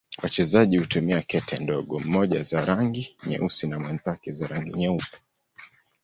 Wachezaji hutumia kete ndogo, mmoja za rangi nyeusi na mwenzake za rangi nyeupe.